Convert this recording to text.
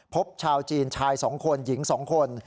พบชาวจีนชาย๒คนหญิง๒คน